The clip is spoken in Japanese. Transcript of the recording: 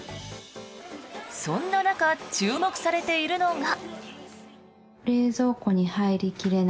そんな中注目されているのが。